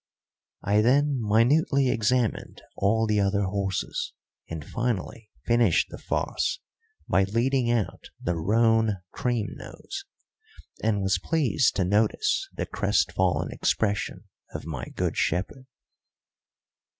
I then minutely examined all the other horses, and finally finished the farce by leading out the roan cream nose, and was pleased to notice the crestfallen expression of my good shepherd.